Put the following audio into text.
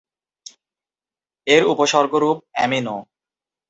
এর উপসর্গ রূপ "অ্যামিনো-"।